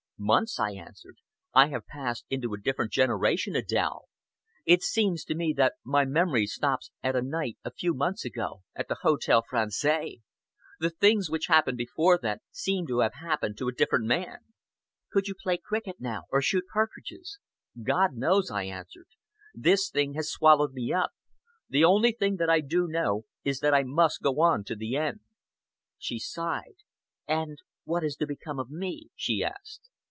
"Months!" I answered. "I have passed into a different generation, Adèle. It seems to me that my memory stops at a night a few months ago, at the Hotel Français. The things which happened before that seem to have happened to a different man." "Could you play cricket now or shoot partridges?" "God knows!" I answered. "This thing has swallowed me up. The only thing that I do know is that I must go on to the end." She sighed. "And what is to become of me?" she asked.